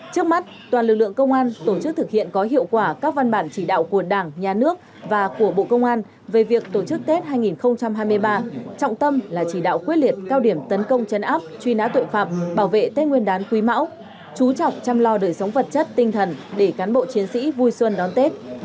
trước mắt toàn lực lượng công an tổ chức thực hiện có hiệu quả các văn bản chỉ đạo của đảng nhà nước và của bộ công an về việc tổ chức tết hai nghìn hai mươi ba trọng tâm là chỉ đạo quyết liệt cao điểm tấn công chấn áp truy nã tội phạm bảo vệ tết nguyên đán quý mão chú trọng chăm lo đời sống vật chất tinh thần để cán bộ chiến sĩ vui xuân đón tết